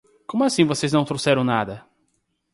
Como assim vocês não trouxeram nada?